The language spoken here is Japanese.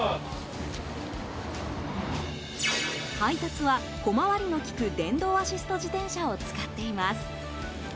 配達は小回りの利く電動アシスト自転車を使っています。